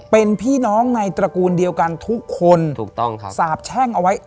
เป็นพี่น้องในตระกูลเดียวกันทุกคนถูกต้องครับสาบแช่งเอาไว้